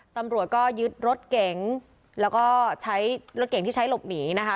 ตำรวจก็ยึดรถเก๋งแล้วก็ใช้รถเก่งที่ใช้หลบหนีนะคะ